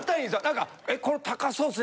何かこれ高そうっすね